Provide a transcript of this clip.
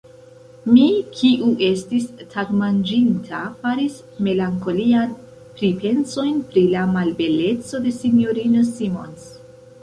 Mi, kiu estis tagmanĝinta, faris melankoliajn pripensojn pri la malbeleco de S-ino Simons.